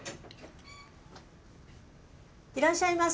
いらっしゃいませ。